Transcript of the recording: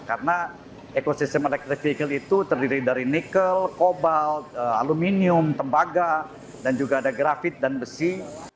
karena ekosistem elektrik vehicle itu terdiri dari nikel kobalt aluminium tembaga dan juga ada grafit dan besi